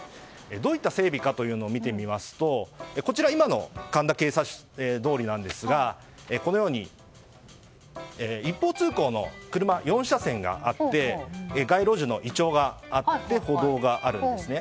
どういった整備か見てみますとこちら、今の神田警察通りですがこのように一方通行の車４車線があって街路樹のイチョウがあって歩道があるんですね。